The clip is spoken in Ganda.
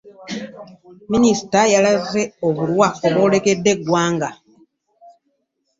Minisita yalaze obulwa obwolekedde eggwanga